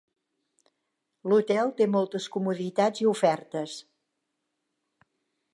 L'hotel té moltes comoditats i ofertes.